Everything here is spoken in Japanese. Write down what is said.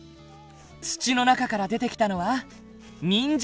土の中から出てきたのはにんじん。